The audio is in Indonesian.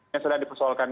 yang sudah dipersoalkan